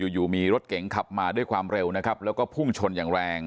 อยู่มีรถเก๋งขับมาด้วยความเร็วนะครับแล้วก็พุ่งชนอย่างแรง